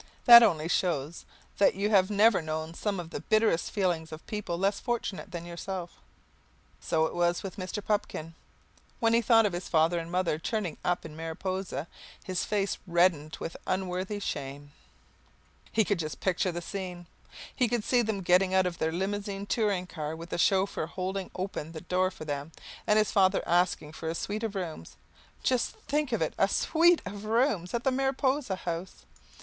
That only shows that you have never known some of the bitterest feelings of people less fortunate than yourself. So it was with Mr. Pupkin. When he thought of his father and mother turning up in Mariposa, his face reddened with unworthy shame. He could just picture the scene! He could see them getting out of their Limousine touring car, with the chauffeur holding open the door for them, and his father asking for a suite of rooms, just think of it, a suite of rooms! at the Mariposa House.